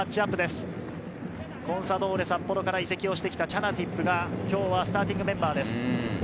コンサドーレ札幌から移籍をしてきたチャナティップが今日はスターティングメンバーです。